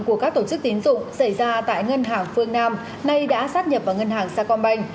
của các tổ chức tín dụng xảy ra tại ngân hàng phương nam nay đã sát nhập vào ngân hàng sacombank